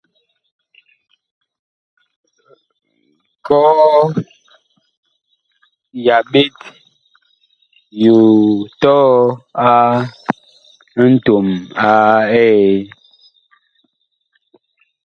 Kɔɔ ya ɓet yu tɔɔ a ntom a Eee.